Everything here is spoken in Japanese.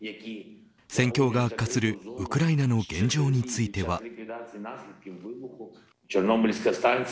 戦況が悪化するウクライナの現状については。